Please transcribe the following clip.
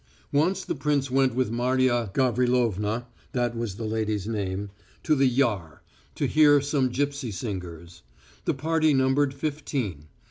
Once the prince went with Marya Gavrilovna that was the lady's name to the Yar, to hear some gipsy singers. The party numbered fifteen.